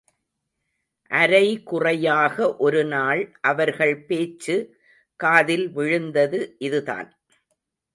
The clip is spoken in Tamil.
அரைகுறையாக ஒரு நாள் அவர்கள் பேச்சு காதில் விழுந்தது இதுதான்.